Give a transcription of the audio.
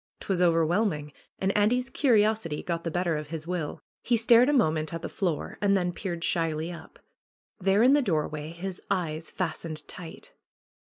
'Twas overwhelming. And Andy's curiosity got the better of his will. He stared a moment at the floor and then peered shyly up. There in the doorway his eyes fastened tight.